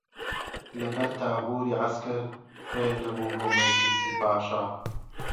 لە بەر تابووری عەسکەر ڕێ نەبوو بۆ مەجلیسی پاشا